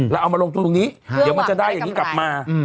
เอามาลงทุนตรงนี้เดี๋ยวมันจะได้อย่างนี้กลับมา